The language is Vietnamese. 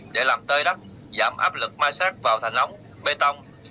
để làm tơi đất giảm áp lực mai sát vào thành lóng bê tông